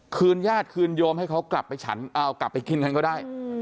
คืนญาติคืนโยมให้เขากลับไปกินกันก็ได้